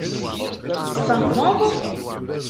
Tfehmeḍ?